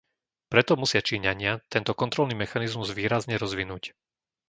Preto musia Číňania tento kontrolný mechanizmus výrazne rozvinúť.